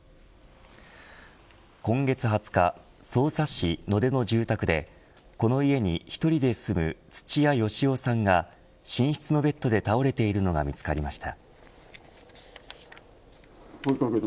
今月２０日匝瑳市野手の住宅でこの家に１人で住む土屋好夫さんが寝室のベッドで倒れているのが見つかりました。